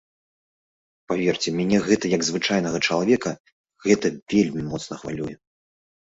Паверце, мяне гэта як звычайнага чалавека гэта вельмі моцна хвалюе.